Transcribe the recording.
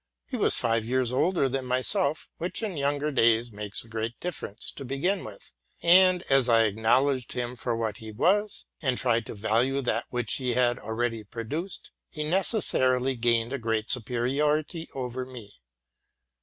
He was five years older than myself, which in younger days makes a great difference to be gin with; and as I acknowledged him for what he was, and tried to value that which he had already produced, he necessa rily gained a great superiority over me.